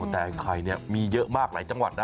แต่ไข่มีเยอะมากหลายจังหวัดนะ